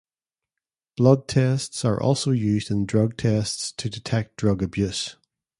Blood tests are also used in drug tests to detect drug abuse.